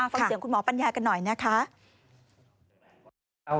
ฟังเสียงคุณหมอปัญญากันหน่อยนะคะ